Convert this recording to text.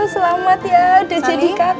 selamat ya udah jadi kakak